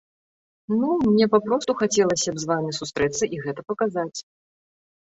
Ну, мне папросту хацелася б з вамі сустрэцца і гэта паказаць.